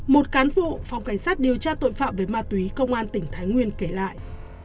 một cán bộ phòng cảnh sát điều tra tội phạm về ma túy công an tỉnh thái nguyên kể lại